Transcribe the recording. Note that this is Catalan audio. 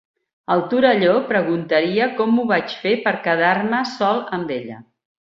El Torelló preguntaria com m'ho vaig fer per quedar-me sol amb ella.